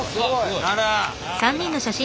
あら。